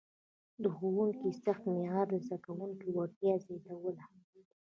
د ښوونکي سخت معیار د زده کوونکو وړتیا زیاتوله.